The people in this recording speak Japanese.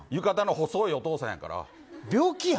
ゆかたの細いお父さんやから。